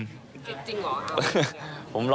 จริงเหรอ